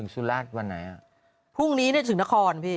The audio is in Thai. สุรารและก็จะรอบครัว